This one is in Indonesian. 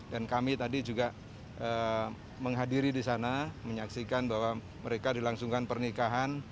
dan kami tadi juga menghadiri disana menyaksikan bahwa mereka dilangsungkan pernikahan